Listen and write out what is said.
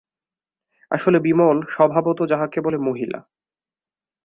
আসলে বিমল স্বভাবত যাকে বলে মহিলা।